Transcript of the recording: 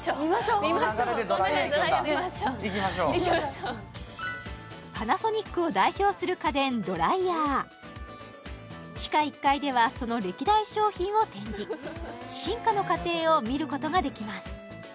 この流れでドライヤーいくんだ行きましょう行きましょうパナソニックを代表する家電ドライヤー地下１階ではその歴代商品を展示進化の過程を見ることができます